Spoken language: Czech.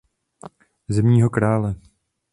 Zimního krále.